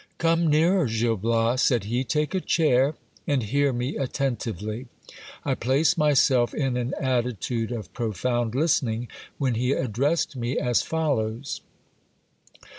Come nearer, Gil Bias, said he ; take a chair, and hear me attentively. I placed myself in an attitude of profound listening, when he addressed me as follows.